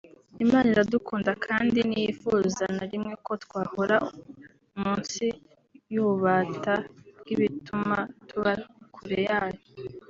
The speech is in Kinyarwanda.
Imana iradukunda kandi ntiyifuza na rimwe ko twahora munsi y’ububata bw’ibituma tuba kure yayo